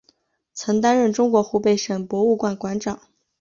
曾担任中国湖北省博物馆馆长。